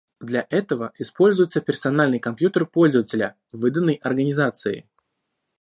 Для этого используется персональный компьютер пользователя, выданный организацией